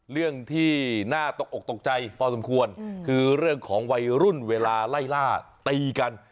เรื่องที่น่าตกอกตกใจพอสมควรคือเรื่องของวัยรุ่นเวลาไล่ล่าตีกัน